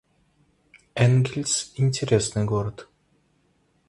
Энгельс — интересный город